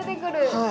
はい。